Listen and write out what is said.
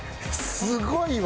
すごいわ！